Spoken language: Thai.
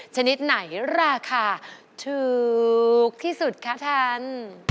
ชนิดไหนราคาถูกที่สุดคะท่าน